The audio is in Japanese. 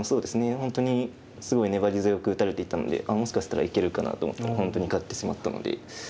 本当にすごい粘り強く打たれていたのでもしかしたらいけるかなと思ったら本当に勝ってしまったので。